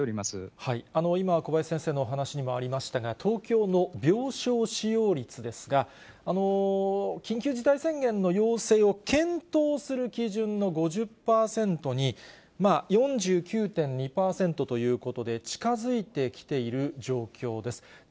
今、小林先生のお話にもありましたが、東京の病床使用率ですが、緊急事態宣言の要請を検討する基準の５０％に、４９．２％ということで、近づいてきている状況です。